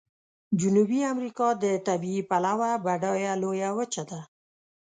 جنوبي امریکا د طبیعي پلوه بډایه لویه وچه ده.